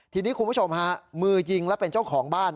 ทีนี้คุณผู้ชมฮะมือยิงและเป็นเจ้าของบ้าน